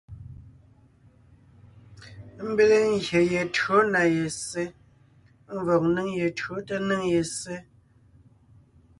Ḿbéle ngyè ye tÿǒ na ye ssé (ḿvɔg ńnéŋ ye tÿǒ tá ńnéŋ ye ssé).